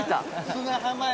砂浜や！